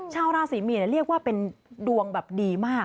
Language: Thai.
ชาวราศรีมีนเรียกว่าเป็นดวงแบบดีมาก